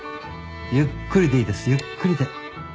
ゆっくりでいいですゆっくりで。